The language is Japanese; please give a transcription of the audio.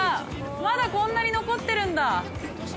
まだこんなに残ってるんだ。